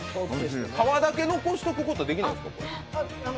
皮だけ残しておくことってできないんですか？